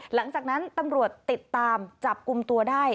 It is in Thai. หลังจากนั้นตำรวจติดตามจับกลุ่มตัวได้